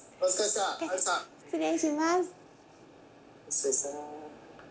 失礼します。